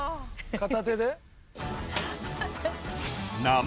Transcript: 片手で？